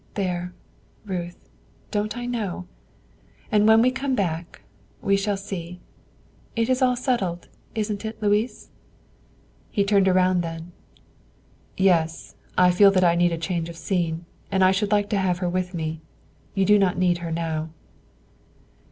There, Ruth, don't I know? And when we come back, we shall see. It is all settled, isn't it, Louis?" He turned around then. "Yes, I feel that I need a change of scene, and I should like to have her with me; you do not need her now."